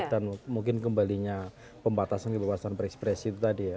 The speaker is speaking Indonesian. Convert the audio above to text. dan mungkin kembalinya pembatasan kebebasan berekspresi itu tadi ya